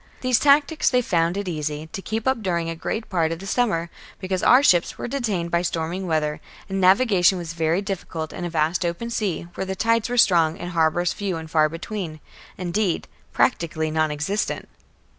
These tactics they found it easy to keep up during a great part of the summer, because our ships were detained by stormy weather, and navigation was very difficult in a vast open sea, where the tides were strong and harbours few and far between, indeed practically non existent.